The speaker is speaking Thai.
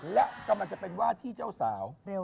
แล้วกับเป็นว่าที่เจ้าสาว